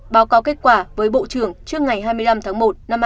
báo cáo kết quả với bộ trưởng trước ngày hai mươi năm tháng một năm hai nghìn hai mươi